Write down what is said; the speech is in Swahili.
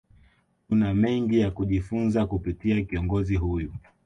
Tuna mengi ya kujifunza kupitia kiongozi huyu